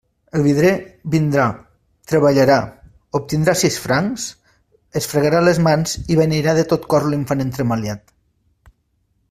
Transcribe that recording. El vidrier vindrà, treballarà, obtindrà sis francs, es fregarà les mans i beneirà de tot cor l'infant entremaliat.